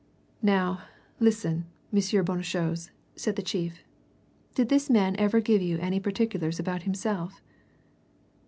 "Now, listen, M. Bonnechose," said the chief; "did this man ever give you any particulars about himself?"